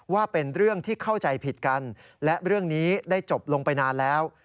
ว่าเป็นเรื่องที่เข้าใจผิดกันและเรื่องนี้ได้จบลงไปนานแล้ว